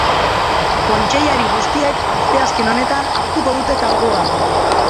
Kontseilari guztiek asteazken honetan hartuko dute kargua.